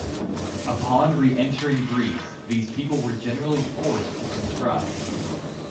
Upon re-entering Greece, these people were generally forced to conscribe.